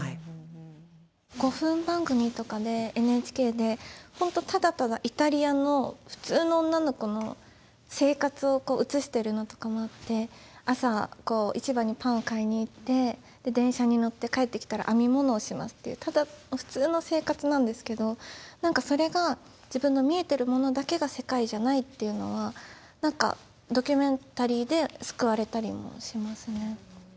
５分番組とかでＮＨＫで本当ただただイタリアの普通の女の子の生活を映してるのとかもあって朝は市場にパンを買いに行って電車に乗って帰ってきたら編み物をしますっていうただ普通の生活なんですけど何かそれが自分の見えてるものだけが世界じゃないっていうのは何かドキュメンタリーで救われたりもしますね。